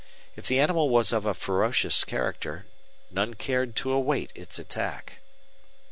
If the animal was of a ferocious character, none cared to await its attack.